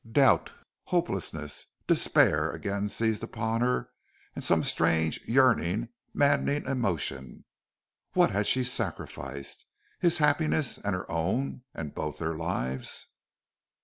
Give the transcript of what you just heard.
Doubt, hopelessness, despair, again seized upon her, and some strange, yearning maddening emotion. What had she sacrificed? His happiness and her own and both their lives!